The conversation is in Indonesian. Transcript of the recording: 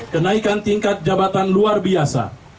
kenaikan tingkat jabatan luar biasa